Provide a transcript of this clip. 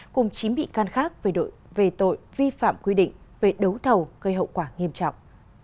cùng chí mị can khác về tội vi phạm quy định về đấu thầu gây hậu quả nghiêm trọng